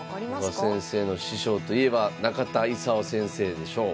古賀先生の師匠といえば中田功先生でしょう。